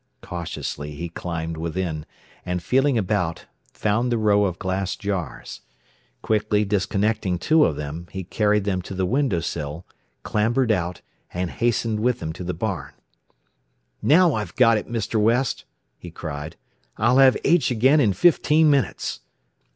Cautiously he climbed within, and feeling about, found the row of glass jars. Quickly disconnecting two of them, he carried them to the window sill, clambered out, and hastened with them to the barn. "Now I've got it, Mr. West!" he cried. "I'll have H again in fifteen minutes!"